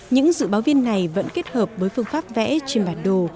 những dự báo viên này vẫn kết hợp với phương pháp vẽ trên bản đồ